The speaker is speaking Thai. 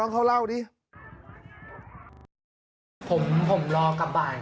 นักเรียงมัธยมจะกลับบ้าน